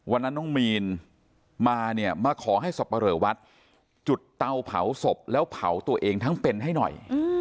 วันนั้นน้องมีนมาเนี่ยมาขอให้สับปะเหลอวัดจุดเตาเผาศพแล้วเผาตัวเองทั้งเป็นให้หน่อย